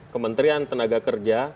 kementerian tenaga kerja